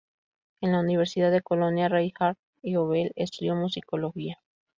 En la universidad de Colonia, Reinhard Goebel, estudió musicología.